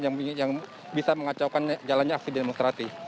yang bisa mengacaukan jalannya aksi demonstrasi